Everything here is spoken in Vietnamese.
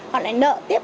họ lại nợ tiếp